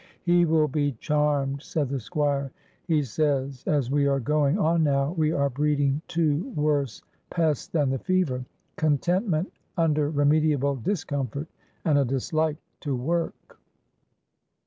"He will be charmed," said the Squire. "He says, as we are going on now, we are breeding two worse pests than the fever,—contentment under remediable discomfort, and a dislike to work."